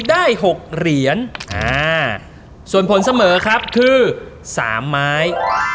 ได้๖เหรียญอ่าส่วนผลเสมอครับคือ๓ไม้